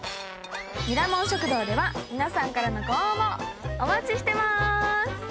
ミラモン食堂では皆さんからのご応募お待ちしてます。